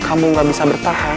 kamu gak bisa bertahan